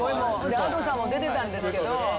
Ａｄｏさんも出てたんですけど。